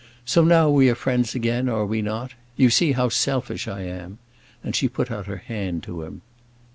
So now we are friends again, are we not? You see how selfish I am." And she put out her hand to him.